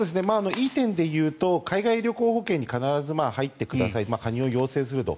いい点でいうと海外旅行保険に必ず入ってくださいと加入を要請すると。